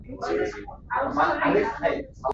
Demak siz o‘z dardingizni biroz bo‘lsa-da unutasiz.